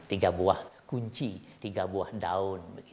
tiga buah kunci tiga buah daun